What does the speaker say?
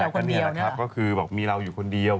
ครับก็คือว่ามีเราอยู่คนเดียว